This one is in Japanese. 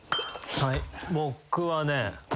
僕はね